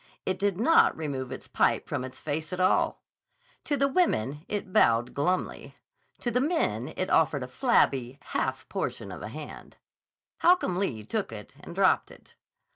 It did not remove its pipe from its face at all. To the women it bowed glumly. To the men it offered a flabby half portion of hand. Holcomb Lee took it and dropped it.